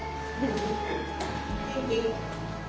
元気？